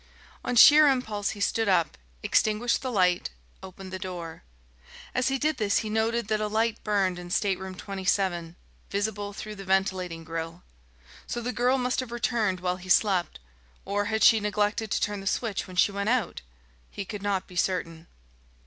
On sheer impulse he stood up, extinguished the light, opened the door. As he did this he noted that a light burned in Stateroom 27, visible through the ventilating grille. So the girl must have returned while he slept. Or had she neglected to turn the switch when she went out? He could not be certain.